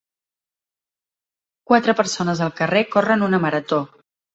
quatre persones al carrer corren una marató.